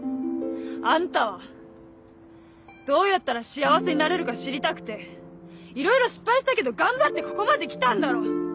あんたはどうやったら幸せになれるか知りたくていろいろ失敗したけど頑張ってここまで来たんだろ？